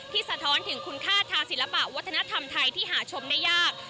สะท้อนถึงคุณค่าทางศิลปะวัฒนธรรมไทยที่หาชมได้ยาก